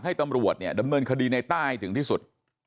ตำรวจเนี่ยดำเนินคดีในต้าให้ถึงที่สุด